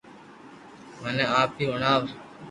مني آپ ھي ھڻاو